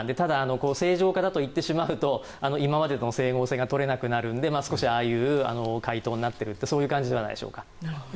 正常化だと言ってしまうと今までと整合性が取れなくなるのでああいう回答になっているという感じじゃないでしょうか。